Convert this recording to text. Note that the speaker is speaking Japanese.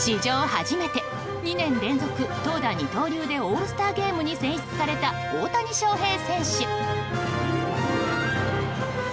初めて２年連続、投打二刀流でオールスターゲームに選出された大谷翔平選手。